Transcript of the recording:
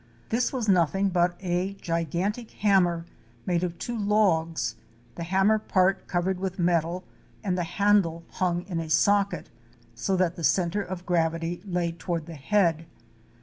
This was nothing but a gigantic hammer made of two logs, the ham mer part covered with metal, and the handle hung in a socket, so that the centre of gravity lay toward the head.